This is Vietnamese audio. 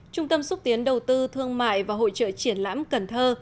trung tâm xúc tiến đầu tư thương mại và hội trợ triển lãm cần thơ